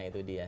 nah itu dia